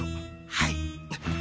はい。